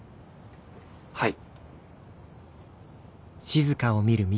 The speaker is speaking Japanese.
はい。